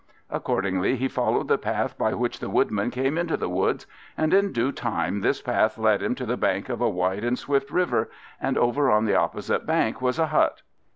Accordingly, he followed the path by which the Woodman came into the woods; and in due time this path led him to the bank of a wide and swift river, and over on the opposite bank was a hut.